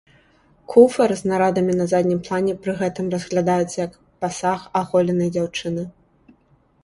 Куфар з нарадамі на заднім плане пры гэтым разглядаецца як пасаг аголенай дзяўчыны.